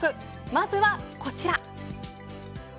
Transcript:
まずはこちら。